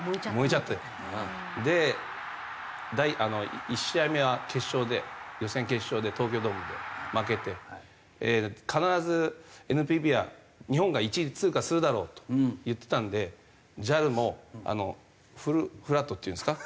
で１試合目は決勝で予選決勝で東京ドームで負けて必ずＮＰＢは日本が１位通過するだろうと言ってたんでＪＡＬもフルフラットっていうんですか？